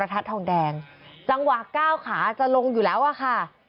จังหวะก้าวขาจะลงอยู่แล้วอ่ะข้า